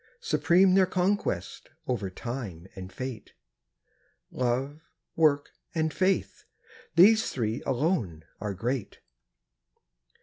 Supreme their conquest, over Time and Fate. Love, Work, and Faith—these three alone are great.